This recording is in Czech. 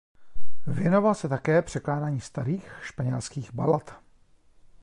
Věnoval se také překládání starých španělských balad.